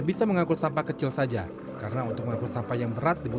jika tadi saya membawa kantong sampah yang lebih besar